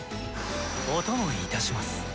お供いたします。